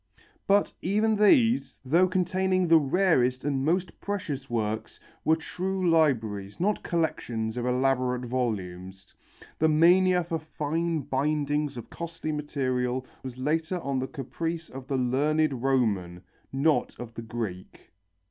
But even these, though containing the rarest and most precious works, were true libraries, not collections of elaborate volumes. The mania for fine bindings of costly materials was later on the caprice of the learned Roman, not of the Greek.